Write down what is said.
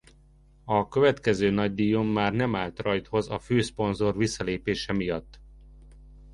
A következő nagydíjon már nem állt rajthoz a főszponzor visszalépése miatt.